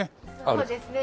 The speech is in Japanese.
そうですね。